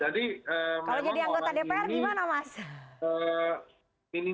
jadi memang orang ini